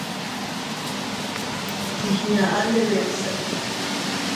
Chigkiaʼale dikse.